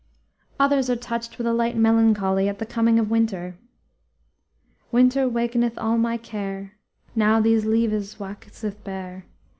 Others are touched with a light melancholy at the coming of winter. "Winter wakeneth all my care Now these leavës waxeth bare.